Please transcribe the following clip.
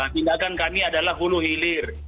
tindakan kami adalah hulu hilir